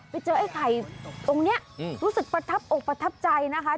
ไอ้ไข่องค์นี้รู้สึกประทับอกประทับใจนะคะ